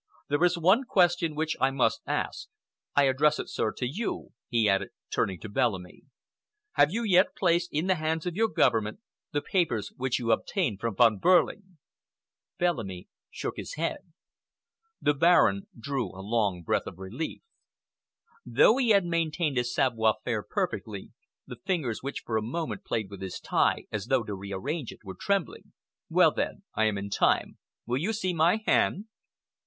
There is one question which I must ask. I address it, sir, to you," he added, turning to Bellamy. "Have you yet placed in the hands of your Government the papers which you obtained from Von Behrling?" Bellamy shook his head. The Baron drew a long breath of relief. Though he had maintained his savoir faire perfectly, the fingers which for a moment played with his tie, as though to rearrange it, were trembling. "Well, then, I am in time. Will you see my hand?"